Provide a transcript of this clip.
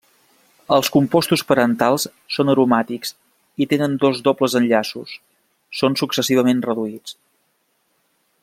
Els compostos parentals són aromàtics i tenen dos dobles enllaços; són successivament reduïts.